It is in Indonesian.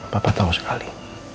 papa tahu sekali